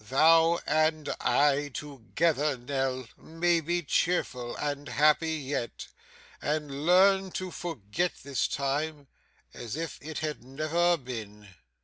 Thou and I together, Nell, may be cheerful and happy yet, and learn to forget this time, as if it had never been.